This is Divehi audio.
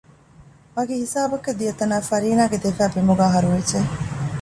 ވަކި ހިސާބަކަށް ދިޔަތަނާ ފަރީނާގެ ދެފައި ބިމުގައި ހަރުވެއްޖެ